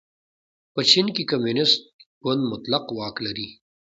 په چین کې کمونېست ګوند مطلق واک لري.